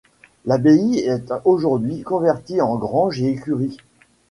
L'abbaye est aujourd'hui convertie en grange et écurie.